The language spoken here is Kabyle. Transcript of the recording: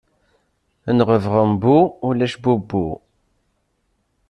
Nɣeb ɣembu ulac bubbu.